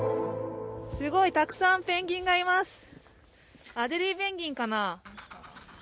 すごいたくさんペンギンがいますね。